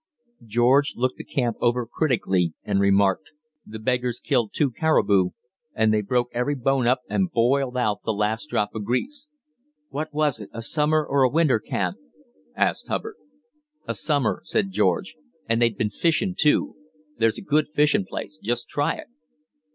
George looked the camp over critically and remarked: "The beggars killed two caribou, and they broke every bone up and boiled out the last drop of grease." "What was it a summer or a winter camp?" asked Hubbard. "A summer," said George. "And they'd been fishing, too. There's a good fishing place just try it!"